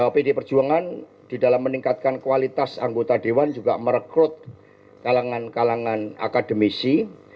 pd perjuangan di dalam meningkatkan kualitas anggota dewan juga merekrut kalangan kalangan akademisi